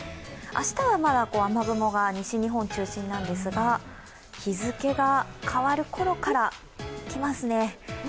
明日はまだ雨雲が西日本中心なんですが、日付が変わるころからきますね。